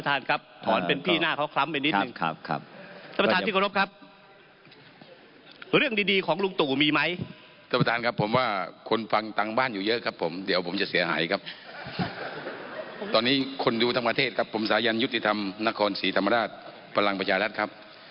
ตอนนี้คนดูทั้งประเทศครับผมสายันยุติธรรมนครศรีธรรมราชพลังประชารัฐครับ